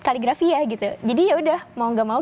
kaligrafi ya gitu jadi ya udah mau gak mau